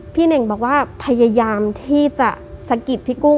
เน่งบอกว่าพยายามที่จะสะกิดพี่กุ้ง